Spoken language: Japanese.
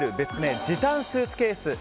別名、時短スーツケース。